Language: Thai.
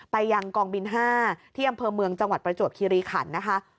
ไปยังกองบิน๕ที่อำเภอเมืองจังหวัดประจวบคิริขันนะคะ